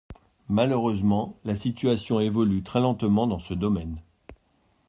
Malheureusement, la situation évolue très lentement dans ce domaine.